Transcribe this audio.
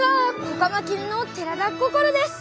子カマキリの寺田心です。